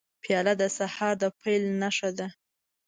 پیاله د سهار د پیل نښه ده.